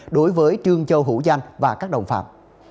đối với trương châu hữu danh và các đồng phạm